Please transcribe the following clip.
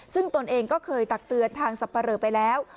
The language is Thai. ซึ่งตนเองก็เคยตักเตือนทางสับปะเรอไปแล้ว